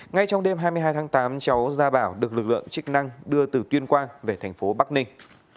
ngay trong đêm hai mươi hai tháng tám cháu gia bảo được lực lượng chức năng đưa từ tuyên quang về thành phố bắc ninh